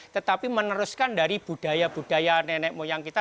tetapi meneruskan dari budaya budaya nenek moyang kita